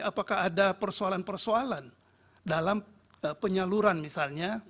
apakah ada persoalan persoalan dalam penyaluran misalnya